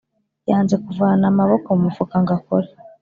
yanze kuvana maboko mu mufuka ngo akore